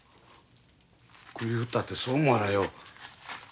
首振ったってそう思わらよ。